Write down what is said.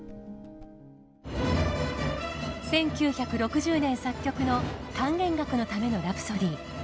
１９６０年作曲の「管弦楽のためのラプソディー」。